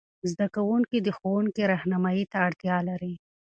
زده کوونکي د ښوونکې رهنمايي ته اړتیا لري.